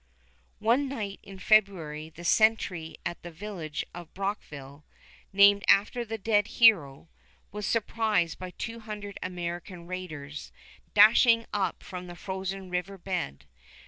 One night in February the sentry at the village of Brockville, named after the dead hero, was surprised by two hundred American raiders dashing up from the frozen river bed.